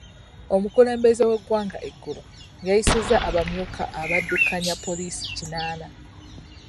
Omukulembeze w'egwanga egulo yayisizza abamyuka abaddukanya poliisi kinaana .